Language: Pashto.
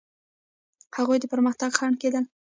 هغوی د پرمختګ خنډ کېدل.